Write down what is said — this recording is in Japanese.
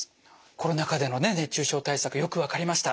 コロナ禍での熱中症対策よく分かりました。